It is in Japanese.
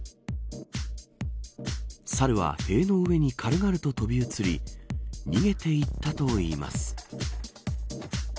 猿は塀の上に軽々と飛び移り逃げていったといいます。